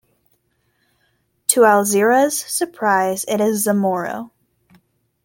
To Alzira's surprise it is Zamoro.